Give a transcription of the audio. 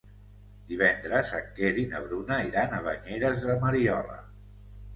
Divendres en Quer i na Bruna iran a Banyeres de Mariola.